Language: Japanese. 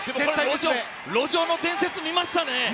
路上の伝説見ましたね。